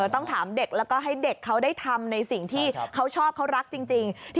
ต้องถามเด็กแล้วก็ให้เด็กเขาได้ทำในสิ่งที่เขาชอบเขารักจริง